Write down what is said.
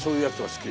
好き。